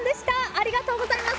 ありがとうございます。